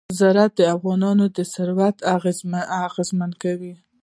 زراعت د افغانانو ژوند اغېزمن کوي.